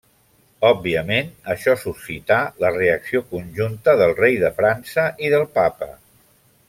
Òbviament això suscità la reacció conjunta del rei de França i del papa.